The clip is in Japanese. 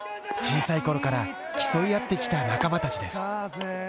小さいころから競い合ってきた仲間たちです。